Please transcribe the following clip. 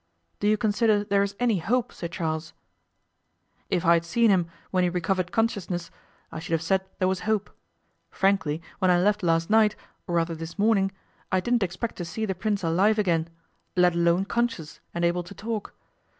Do you consider there is any hope, Sir Charles?' 'If I had seen him when he recovered consciousness I should have said there was hope. Frankly, when I left last night, or rather this morning, I didn't expect to see the Prince alive again let alone conscious, and able to talk.